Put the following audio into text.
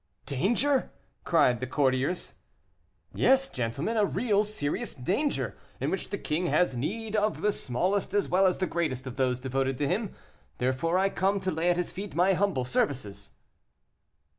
"Danger!" cried the courtiers. "Yes, gentlemen, a real, serious danger, in which the king has need of the smallest as well as the greatest of those devoted to him; therefore I come to lay at his feet my humble services."